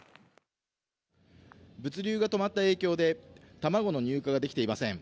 物流が止まった影響で卵の入荷ができていません。